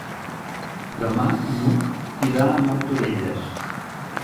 Demà n'Hug irà a Martorelles.